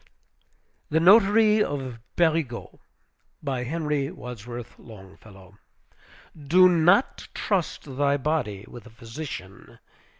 THE NOTARY OF PÉRIGUEUX BY HENRY WADSWORTH LONGFELLOW Do not trust thy body with a physician.